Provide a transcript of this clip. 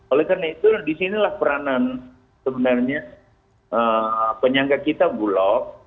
oleh karena itu disinilah peranan sebenarnya penyangga kita bulog